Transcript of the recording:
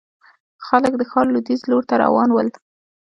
خلک د ښار لوېديځ لور ته روان ول.